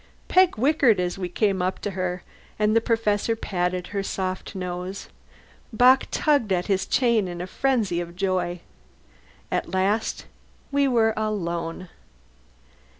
Peg whickered as we came up to her, and the Professor patted her soft nose. Bock tugged at his chain in a frenzy of joy. At last we were alone.